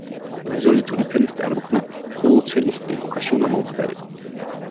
მეზოლითური ფენის წარმოქმნა ჰოლოცენის ეპოქაში უნდა მომხდარიყო.